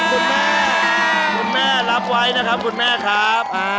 คุณแม่รับไว้นะครับคุณแม่ครับ